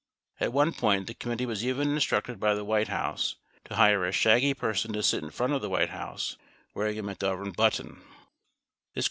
At one point the committee was even instructed by the White House to hire a shaggy person to sit in front of the White House wearing a ^'Testimony of James McCord, 1 Hearings 178—181.